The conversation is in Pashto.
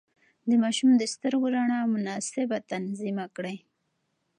د ماشوم د سترګو رڼا مناسب تنظيم کړئ.